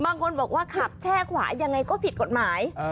บางคนบอกว่าขับแช่ขวายังไงก็ผิดกฎหมาย